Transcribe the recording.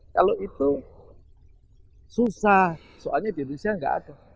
kalau itu susah soalnya di indonesia nggak ada